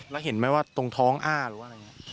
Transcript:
แล้วเห็นไหมว่าตรงท้องอ้าหรือว่าอะไรอย่างนี้